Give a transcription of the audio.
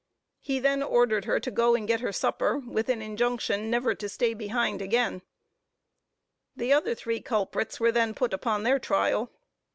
He then ordered her to go and get her supper, with an injunction never to stay behind again. The other three culprits were then put upon their trial.